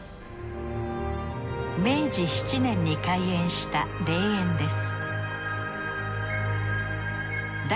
明治７年に開園した霊園です